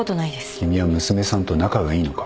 君は娘さんと仲がいいのか？